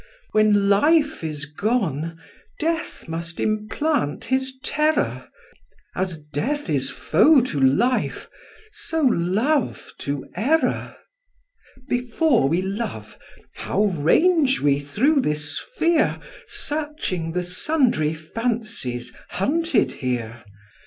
When life is gone, death must implant his terror: As death is foe to life, so love to error. Before we love, how range we through this sphere, Searching the sundry fancies hunted here!